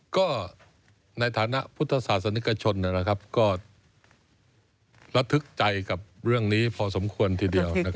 ก็ในฐานะพุทธศาสนิกชนก็ระทึกใจกับเรื่องนี้พอสมควรทีเดียว